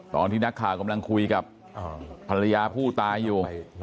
ตอนที่นักข่าวกำลังคุยกับภรรยาผู้ตายอยู่